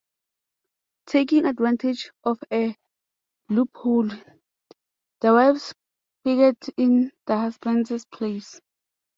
Taking advantage of a loophole, the wives picket in their husbands' places.